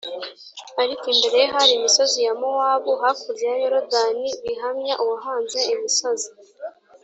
; ariko imbere ye hari imisozi ya Mowabu, hakurya ya Yorodani, bihamya uwahanze imisozi